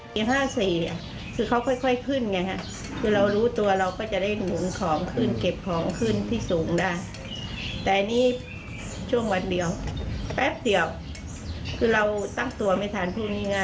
อย่างสี่ข้าวมันค่อยขึ้นเนี่ยค่ะ